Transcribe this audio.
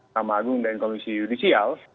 nama agung dan komisi judisial